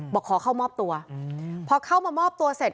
บอกขอเข้ามอบตัวพอเข้ามามอบตัวเสร็จ